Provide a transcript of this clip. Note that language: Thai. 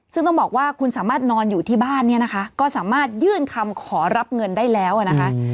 ซึ่งต้องบอกว่าคุณสามารถนอนอยู่ที่บ้านเนี่ยนะคะก็สามารถยื่นคำขอรับเงินได้แล้วนะคะ